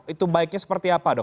itu baiknya seperti apa dok